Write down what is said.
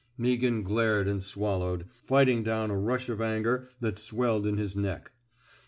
" Meaghan glared and swallowed, fighting down a rush of anger that swelled in his neck.